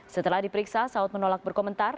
setelah diperiksa saud menolak berkomentar